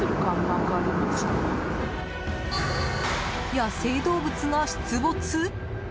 野生動物が出没？